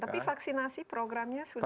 tetapi vaksinasi programnya sudah berjalan